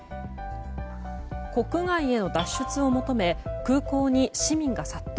国外への脱出を求め空港へ市民が殺到。